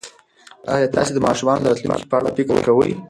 ایا تاسي د ماشومانو د راتلونکي په اړه فکر کوئ؟